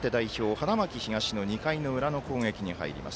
花巻東の２回の裏の攻撃に入ります。